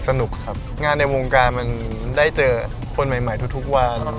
สนุกครับงานในวงการมันได้เจอคนใหม่ทุกวัน